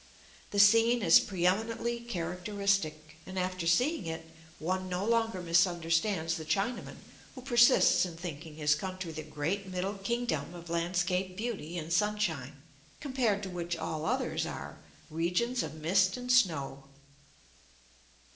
The scene is pre eminently characteristic, and after seeing it, one no longer misunderstands the Chinaman who persists in thinking his country the great middle kingdom of landscape beauty and sunshine, compared to which all others are "regions of mist and snow."